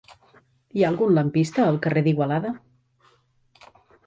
Hi ha algun lampista al carrer d'Igualada?